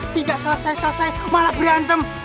tidak selesai selesai malah berantem